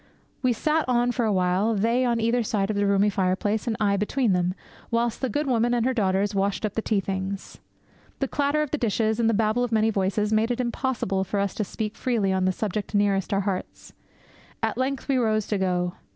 We sat on for awhile, they on either side of the roomy fireplace, and I between them, whilst the good woman and her daughters washed up the tea things. The clatter of the dishes, and the babel of many voices, made it impossible for us to speak freely on the subject nearest our hearts. At length we rose to go.